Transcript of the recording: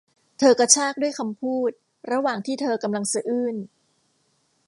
เธอกระชากด้วยคำพูดระหว่างที่เธอกำลังสะอื้น